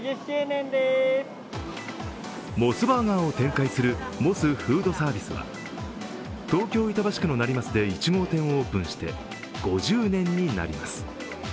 モスバーガーを展開するモスフードサービスは東京・板橋区の成増で１号店をオープンして５０年になります。